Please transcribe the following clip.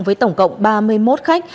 với tổng cộng ba mươi một khách